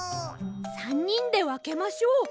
３にんでわけましょう。